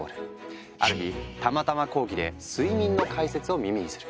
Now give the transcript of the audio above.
ある日たまたま講義で睡眠の解説を耳にする。